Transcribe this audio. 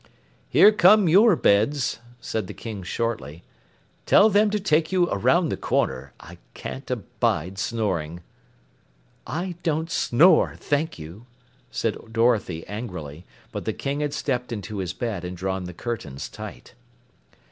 "Here come your beds," said the King shortly. "Tell them to take you around the corner. I can't abide snoring." "I don't snore, thank you," said Dorothy angrily, but the King had stepped into his bed and drawn the curtains tight.